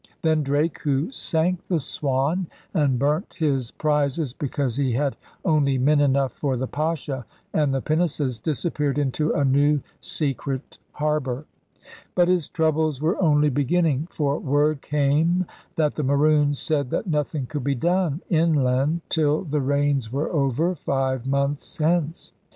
Then Drake, who sank the Swan and burnt his prizes because he had only men enough for the Pascha and the pinnaces, disappeared into a new secret harbor. But his troubles were only be ginning; for word came that the Maroons said that nothing could be done inland till the rains were over, five months hence.